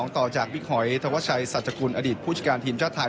ต่อจากบิ๊กหอยธวัชชัยสัจกุลอดีตผู้จัดการทีมชาติไทย